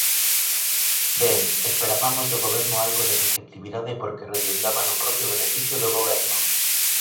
Ben, esperabamos do Goberno algo de receptividade porque redundaba no propio beneficio do Goberno.